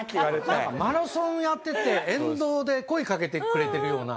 なんかマラソンやってて沿道で声かけてくれてるような。